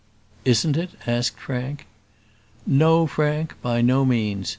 "Isn't it?" asked Frank. "No, Frank; by no means.